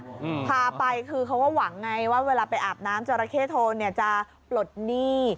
อืมพาไปคือเขาก็หวังไงว่าเวลาไปอาบน้ำจราเข้โทนเนี้ยจะปลดหนี้